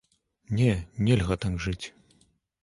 Не, нельга так жыць!